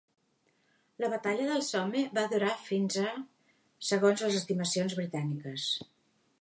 La batalla del Somme va durar fins a segons les estimacions britàniques.